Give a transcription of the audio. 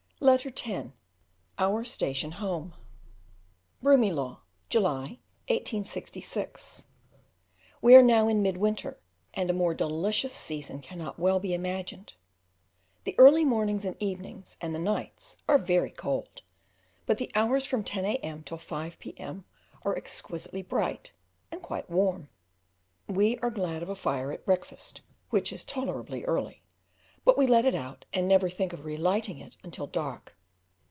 Letter X: Our station home. Broomielaw, July 1866. We are now in mid winter, and a more delicious season cannot well be imagined; the early mornings and evenings and the nights are very cold, but the hours from 10 A.M. till 5 P.M. are exquisitely bright, and quite warm. We are glad of a fire at breakfast, which is tolerably early, but we let it out and never think of relighting it until dark.